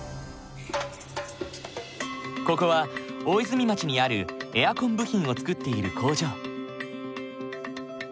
ここは大泉町にあるエアコン部品を作っている工場。